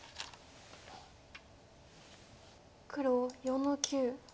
黒４の九。